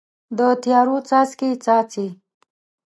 د تیارو څاڅکي، څاڅي